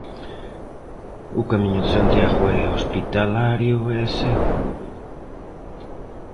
O Camiño de Santiago é hospitalario e seguro.